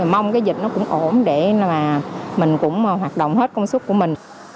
mong cái dịch nó cũng ổn để mà mình cũng hoạt động hết công suất của mình